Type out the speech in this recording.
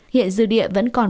hiện dư địa vẫn còn bốn mươi